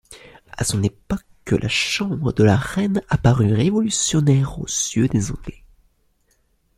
À son époque la Chambre de la Reine apparut révolutionnaire aux yeux des Anglais.